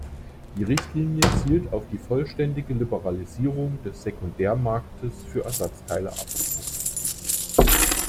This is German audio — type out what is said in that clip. Die Richtlinie zielt auf die vollständige Liberalisierung des Sekundärmarktes für Ersatzteile ab.